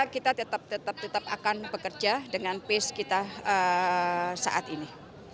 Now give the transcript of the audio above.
kita tetap akan bekerja dengan pace kita saat ini